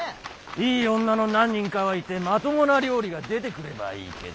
いい女の何人かはいてまともな料理が出てくればいいけど。